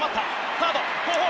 サード後方。